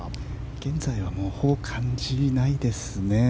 現在はほぼ感じないですね。